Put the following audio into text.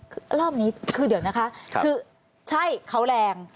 คือรอบนี้คือเดี๋ยวนะคะคือใช่เขาแรง